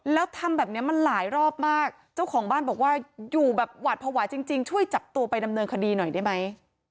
แล้วทำแบบนี้มันหลายรอบมากเจ้าของบ้านบอกว่าอยู่แบบหวาดภาวะจริงช่วยจับตัวไปดำเนินคดีหน่อยได้ไหม